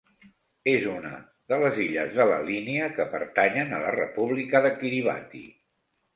És una de les illes de la Línia que pertanyen a la República de Kiribati.